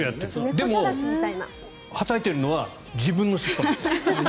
でもはたいているのは自分の尻尾なんです。